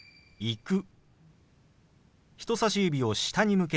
「行く」。